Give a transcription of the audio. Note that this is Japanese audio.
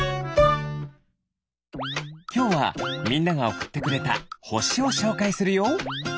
きょうはみんながおくってくれたほしをしょうかいするよ。